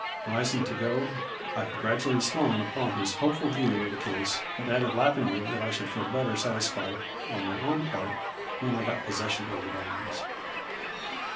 Rising to go, I congratulated Sloane upon his hopeful view of the case, but added laughingly that I should feel better satisfied on my own part when I got possession of the diamonds.